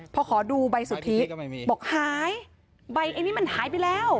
พอขอดูใบศุฤษภีร์บอกหายใบมันหายไปแล้ว